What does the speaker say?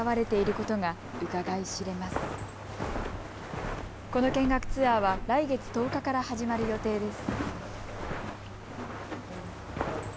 この見学ツアーは来月１０日から始まる予定です。